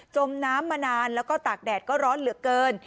มน้ำมานานแล้วก็ตากแดดก็ร้อนเหลือเกิน